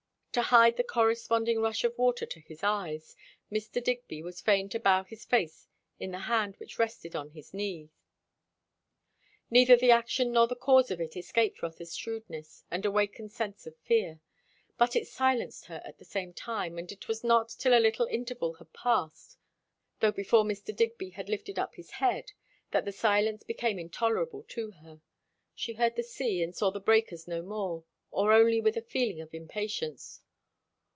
To hide the corresponding rush of water to his eyes, Mr. Digby was fain to bow his face in the hand which rested on his knees. Neither the action nor the cause of it escaped Rotha's shrewdness and awakened sense of fear, but it silenced her at the same time; and it was not till a little interval had passed, though before Mr. Digby had lifted up his head, that the silence became intolerable to her. She heard the sea and saw the breakers no more, or only with a feeling of impatience.